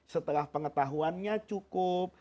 setelah pengetahuannya cukup